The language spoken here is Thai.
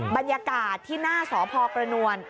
บรรยากาศที่หน้าสพกระนวล